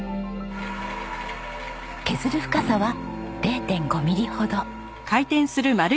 削る深さは０．５ミリほど。